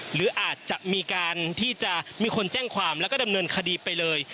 หรืออาจจะมีการที่จะมีคนแจ้งความแล้วก็ดำเนินคดีไปเลย